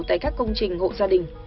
tại các công trình hộ gia đình